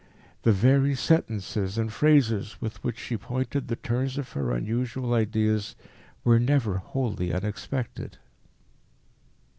The very sentences and phrases with which she pointed the turns of her unusual ideas were never wholly unexpected.